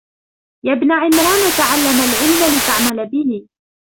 يَا ابْنَ عِمْرَانَ تَعَلَّمْ الْعِلْمَ لِتَعْمَلَ بِهِ